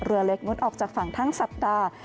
เรือเล็กงดออกจากฝั่งทั้งสัปดาห์